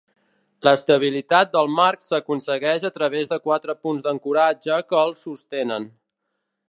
L'estabilitat del marc s'aconsegueix a través de quatre punts d'ancoratge que el sostenen.